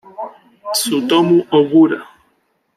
Tsutomu Ogura